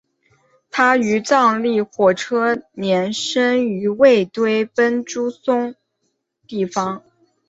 他于藏历火马年生于卫堆奔珠宗地方。